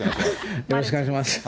よろしくお願いします。